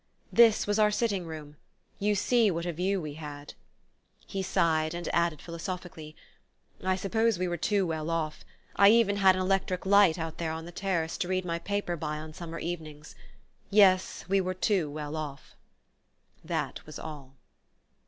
"This was our sitting room: you see what a view we had." He sighed, and added philosophically: "I suppose we were too well off. I even had an electric light out there on the terrace, to read my paper by on summer evenings. Yes, we were too well off..." That was all.